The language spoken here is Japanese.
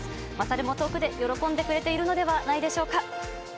マサルも遠くで喜んでくれているのではないでしょうか。